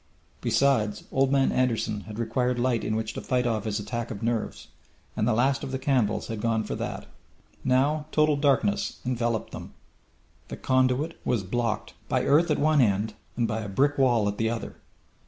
Besides, Old Man Anderson had required light in which to fight off his attacks of nerves, and the last of the candles had gone for that. Now total darkness enveloped them. The conduit was blocked! By earth at one end, and by a brick wall at the other!